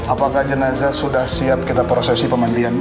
apakah jenazah sudah siap kita prosesi pemandian